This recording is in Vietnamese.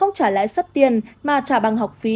không trả lãi suất tiền mà trả bằng học phí